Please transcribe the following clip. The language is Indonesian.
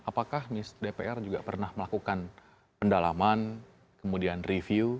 apakah dpr juga pernah melakukan pendalaman kemudian review